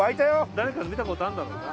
誰かの見たことあんだろうな。